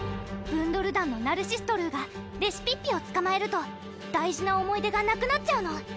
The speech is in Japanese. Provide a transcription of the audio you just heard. ブンドル団のナルシストルーがレシピッピをつかまえると大事な思い出がなくなっちゃうの！